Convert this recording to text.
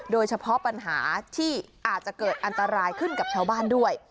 โดยเฉพาะปัญหาที่อาจจะเกิดอันตรายขึ้นกับชาวบ้านด้วย